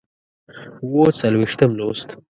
اووه څلوېښتم لوست